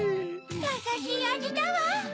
やさしいあじだわ。